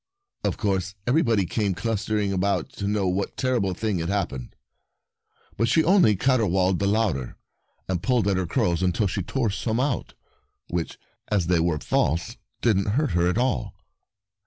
Of course everybody came clustering about to know what terrible thing had happened ; but she only caterwauled the louder, and pulled at her curls until she tore some out — which, as they were false, didn't hurt her at all.